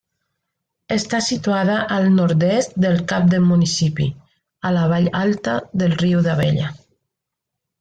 Està situada al nord-est del cap de municipi, a la vall alta del riu d'Abella.